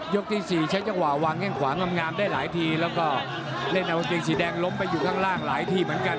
ที่สี่ใช้จังหวะวางแข้งขวางำงามได้หลายทีแล้วก็เล่นเอากางเกงสีแดงล้มไปอยู่ข้างล่างหลายทีเหมือนกัน